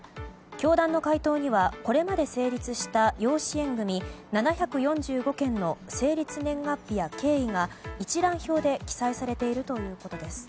教団の回答にはこれまで成立した養子縁組７４５件の成立年月日や経緯が一覧表で記載されているということです。